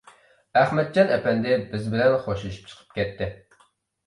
ئەخمەتجان ئەپەندى بىز بىلەن خوشلىشىپ چىقىپ كەتتى.